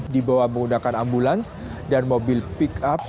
dibawa menggunakan ambulans dan mobil pick up